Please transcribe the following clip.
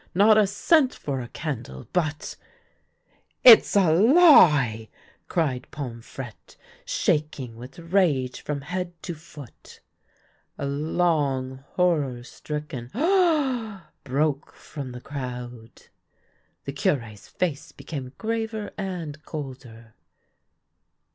Not a cent for a candle, but "" It's a lie !" cried Pomfrette, shaking with rage from head to foot. A long horror stricken " Ah !" broke from the crowd. The Cure's face became graver and colder.